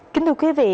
kính thưa quý vị